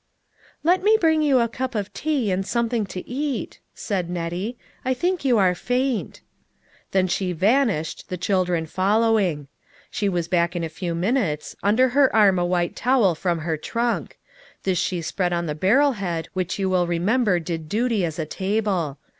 "Let me bring you a cup of tea and something to eat," said Nettie; "I think you are faint." Then she vanished, the children following. She was back in a few minutes, under her arm a white towel from her trunk; this she spread on the barrel head which you will remember did duty as a table.